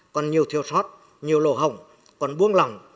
còn nhiều thiêu sót nhiều lộ hỏng còn buông lỏng